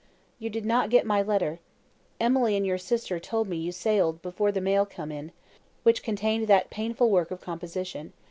"You did not get my letter. Emily and your sister told me you sailed before the mail come in, which contained that painful work of composition.